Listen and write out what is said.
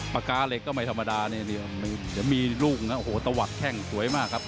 ปากกาเหล็กก็ไม่ธรรมดาเนี่ยจะมีลูกโหตะวัดแข้งสวยมากครับ